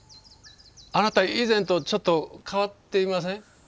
あなた以前とちょっと変わっていません？